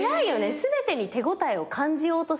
全てに手応えを感じようとしてるもんね。